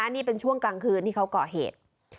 นี่เป็นช่วงกลางคืนที่เขาก่อเหตุ